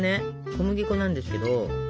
小麦粉なんですけど。